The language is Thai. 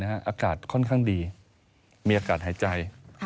อากาศค่อนข้างดีมีอากาศหายใจ